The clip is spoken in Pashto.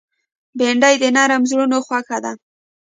بېنډۍ د نرم زړونو خوښه ده